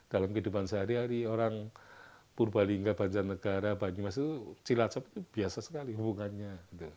dalam kehidupan sehari hari orang purbalingga banjarnegara banyumas itu cilacap itu biasa sekali hubungannya